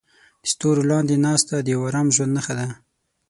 د ستورو لاندې ناسته د یو ارام ژوند نښه ده.